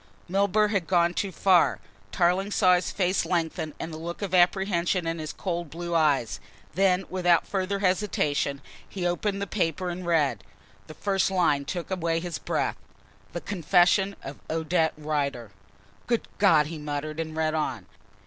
Milburgh had gone too far. Tarling saw his face lengthen and the look of apprehension in his cold blue eyes. Then, without further hesitation, he opened the paper and read. The first line took away his breath. "THE CONFESSION OF ODETTE RIDER." "Good God!" he muttered and read on.